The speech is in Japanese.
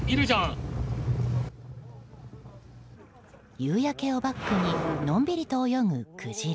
夕焼けをバックにのんびりと泳ぐクジラ。